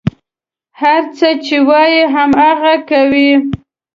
هر څه چې وايي، هماغه کوي.